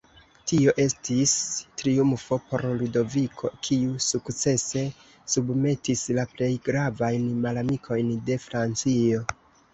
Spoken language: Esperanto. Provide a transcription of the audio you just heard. Tio estis triumfo por Ludoviko, kiu sukcese submetis la plej gravajn malamikojn de Francio.